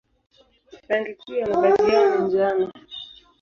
Rangi kuu ya mavazi yao ni njano.